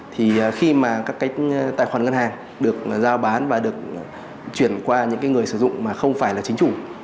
thì khi mà các cái tài khoản ngân hàng được giao bán và được chuyển qua những người sử dụng mà không phải là chính chủ